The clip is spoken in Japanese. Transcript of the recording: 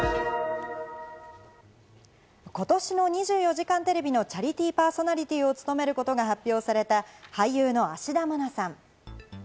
今年の『２４時間テレビ』のチャリティーパーソナリティーを務めることが発表された俳優の芦田愛菜さん。